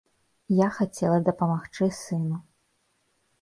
Я хацела дапамагчы сыну.